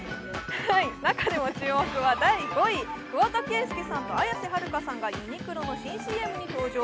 中でも注目は第５位、桑田佳祐さんと綾瀬はるかさんがユニクロの新ＣＭに登場。